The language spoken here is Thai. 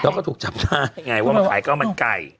แล้วก็ถูกจับได้ไงว่ามาขายก็มาใกล้